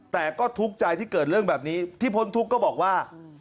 แต่ก็ทุกข์ใจที่เกิดเรื่องแบบนี้ที่พ้นทุกข์ก็บอกว่า